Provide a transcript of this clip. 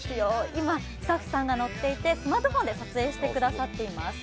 今、スタッフさんが乗っていてスマートフォンで撮影してくださっています。